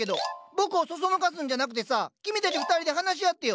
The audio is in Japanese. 僕をそそのかすんじゃなくてさ君たち二人で話し合ってよ。